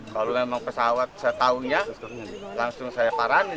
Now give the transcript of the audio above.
kalau memang pesawat saya tahunya langsung saya parani